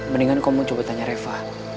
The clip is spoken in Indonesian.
mendingan kamu coba tanya reva